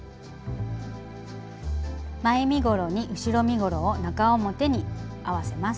前身ごろに後ろ身ごろを中表に合わせます。